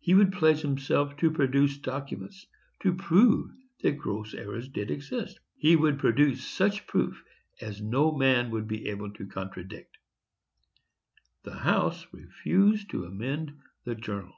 He would pledge himself to produce documents to prove that gross errors did exist. He would produce such proof as no man would be able to contradict. The House refused to amend the journal.